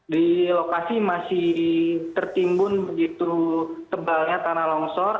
di lokasi masih tertimbun begitu tebalnya tanah longsor